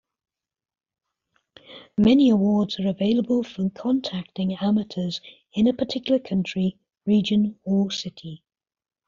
Many awards are available for contacting amateurs in a particular country, region or city.